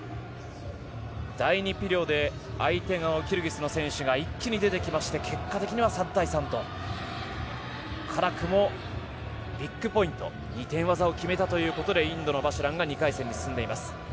第２ピリオドで相手の選手が一気に出てきまして結果的には３対３と辛くもビッグポイント２点技を決めたということでインドのバジュランが２回戦に進んでいます。